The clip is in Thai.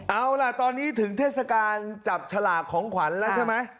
เอาล่ะตอนนี้ถึงเทศกาลจับฉลากของขวัญแล้วใช่ไหม